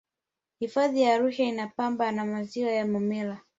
hifadhi ya arusha inapambwa na maziwa ya momella